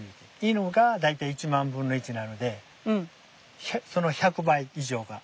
犬が大体１万分の１なのでその１００倍以上が。